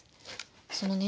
そのね